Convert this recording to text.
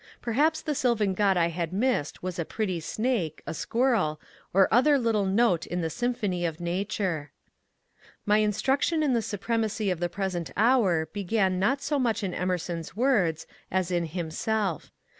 Perhaps the sylvan god I had missed was a pretty snake, a squirrel, or other little note in the symphony of nature. My instruction in the supremacy of the present hour began not so much in Emerson's words as in himself.